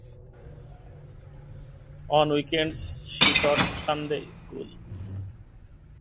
On weekends she taught Sunday school.